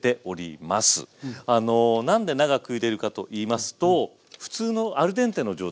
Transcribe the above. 何で長くゆでるかと言いますと普通のアルデンテの状態